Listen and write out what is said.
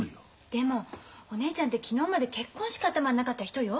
でもお姉ちゃんって昨日まで結婚しか頭になかった人よ。